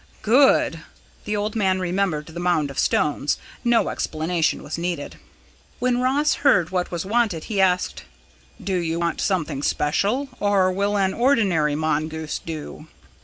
"Good!" The old man remembered the mound of stones. No explanation was needed. When Ross heard what was wanted, he asked: "Do you want something special, or will an ordinary mongoose do?"